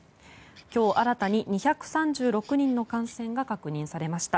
今日、新たに２３６人の感染が確認されました。